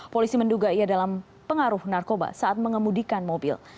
polisi menduga ia dalam pengaruh narkoba saat mengemudikan mobil